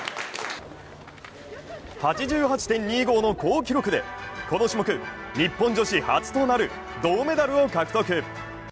８８．２５の好記録でこの種目、日本女子初となる銅メダルを獲得。